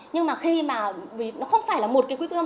nhưng mà khi mà nó không phải là một cái quỹ phụ huynh